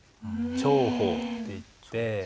長鋒っていって。